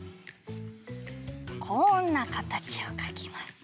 こんなかたちをかきます。